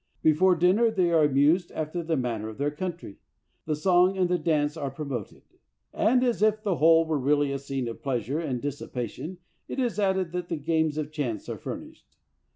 Before dinner they are amused after the manner of their country. The song and the dance are promoted,"' and, as if the whole were really a scene of pleasure and dissipation, it is added that games of chance are furnished.